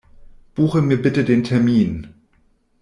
Buche mir bitten den Termin.